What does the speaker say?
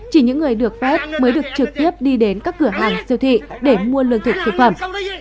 chỉ những người được fed mới được trực tiếp đi đến các cửa hàng siêu thị để mua lương thực thực phẩm